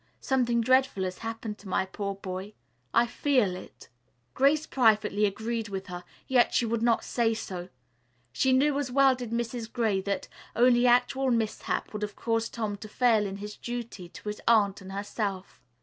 Something dreadful has happened to my poor boy. I feel it." Grace privately agreed with her, yet she would not say so. She knew as well as did Mrs. Gray that only actual mishap would have caused Tom to fail in his duty to his aunt and to herself.